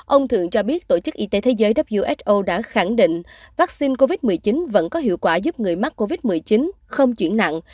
ông thượng cho biết tổ chức y tế thế giới who đã khẳng định vaccine covid một mươi chín vẫn có hiệu quả giúp người mắc covid một mươi chín không chuyển nặng